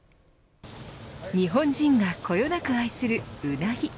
日本人がこよなく愛するうなぎ。